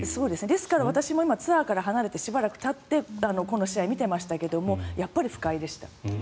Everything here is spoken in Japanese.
ですから、私もツアーから離れてしばらくたってこの試合を見ていましたがやっぱり不快でした。